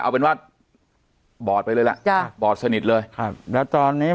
เอาเป็นว่าบอดไปเลยล่ะจ้ะบอดสนิทเลยครับแล้วตอนนี้